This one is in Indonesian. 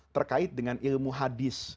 terkait dengan ilmu hadis